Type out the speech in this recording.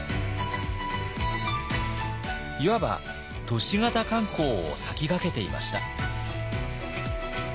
いわば都市型観光を先駆けていました。